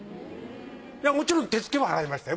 いやもちろん手付けは払いましたよ。